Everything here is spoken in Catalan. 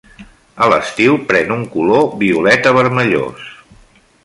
A l'estiu pren un color violeta vermellós.